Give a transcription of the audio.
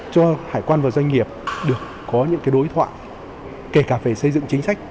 cho hải quan và doanh nghiệp được có những đối thoại kể cả về xây dựng chính sách